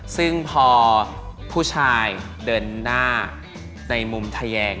ซึ่งพอผู้ชายเดินหน้าในมุมทะแยง